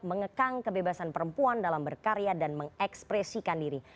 mengekang kebebasan perempuan dalam berkarya dan mengekspresikan diri